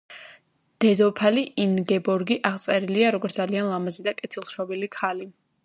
დედოფალი ინგებორგი აღწერილია, როგორც ძალიან ლამაზი და კეთილშობილი ქალი.